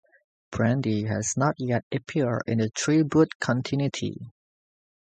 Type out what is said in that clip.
Brande has not yet appeared in "Threeboot" continuity.